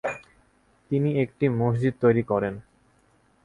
তিনি একটি মসজিদ তৈরী করেন।